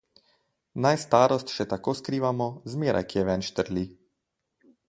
Naj starost še tako skrivamo, zmeraj kje ven štrli.